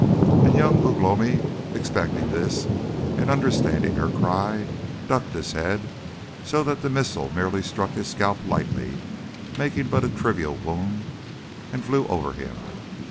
And young Ugh lomi, expecting this and understanding her cry, ducked his head, so that the missile merely struck his scalp lightly, making but a trivial wound, and flew over him.